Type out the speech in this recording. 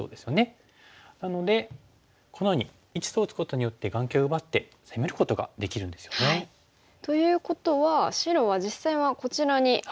なのでこのように①と打つことによって眼形を奪って攻めることができるんですよね。はい。ということは白は実際はこちらに打ちましたが。